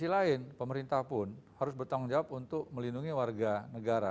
sisi lain pemerintah pun harus bertanggung jawab untuk melindungi warga negara yang kehilangan pekerjaan